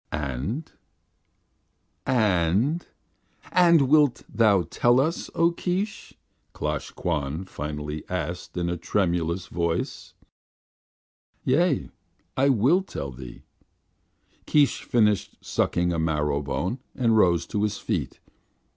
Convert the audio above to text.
and ... and wilt thou tell us, O Keesh?" Klosh Kwan finally asked in a tremulous voice. "Yea, I will tell thee." Keesh finished sucking a marrow bone and rose to his feet.